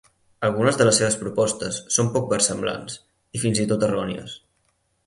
Algunes de les seves propostes són poc versemblants i fins i tot errònies.